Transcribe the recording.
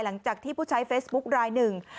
หลังจากที่ผู้ใช้เฟซบุ๊คลายหนึ่ง